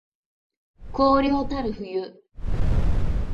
荒涼たる冬